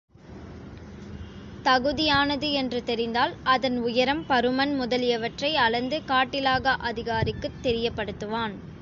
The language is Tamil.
தகுதியானது என்று தெரிந்தால், அதன் உயரம், பருமன் முதலியவற்றை அளந்து காட்டிலாகா அதிகாரிக்குத் தெரியப்படுத்துவான்.